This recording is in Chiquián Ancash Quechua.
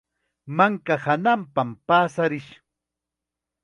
Manka hananpam paasarish.